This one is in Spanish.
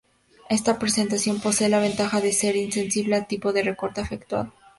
Esta representación posee la ventaja de ser insensible al tipo de recorte efectuado.